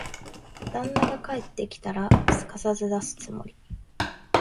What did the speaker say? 旦那が帰ってきたら、すかさず出すつもり。